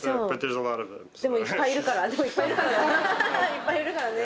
「いっぱいいるからね」